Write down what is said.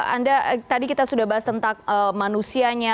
anda tadi kita sudah bahas tentang manusianya